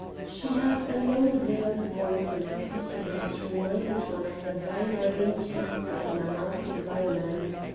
She had a low veiled voice in speaking that reminded one of the vibrating tones of an Amati violin.